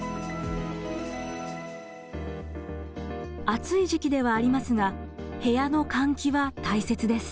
暑い時期ではありますが部屋の換気は大切です。